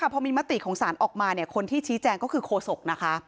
พอมีมติของสารออกมาคนที่ชี้แจงก็คือโคศกนะคะ